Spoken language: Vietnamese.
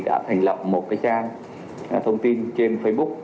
đã thành lập một trang thông tin trên facebook